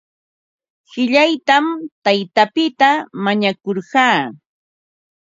Qillaytam taytapita mañakurqaa.